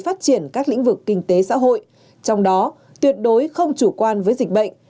phát triển các lĩnh vực kinh tế xã hội trong đó tuyệt đối không chủ quan với dịch bệnh